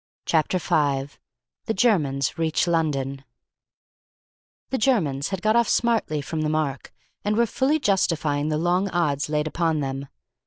Chapter 5 THE GERMANS REACH LONDON The Germans had got off smartly from the mark and were fully justifying the long odds laid upon them.